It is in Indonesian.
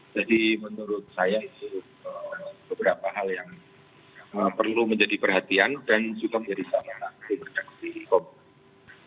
jadi menurut saya itu beberapa hal yang perlu menjadi perhatian dan juga menjadi sarana aktif untuk dikomunikasi